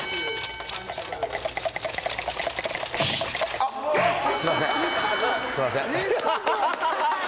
あっすいません